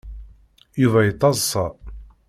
Yuba yettaḍsa.